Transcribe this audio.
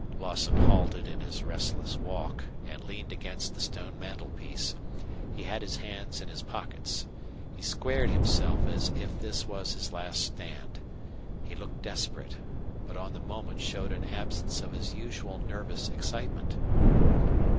Lawson halted in his restless walk and leaned against the stone mantelpiece. He had his hands in his pockets. He squared himself as if this was his last stand. He looked desperate, but on the moment showed an absence of his usual nervous excitement.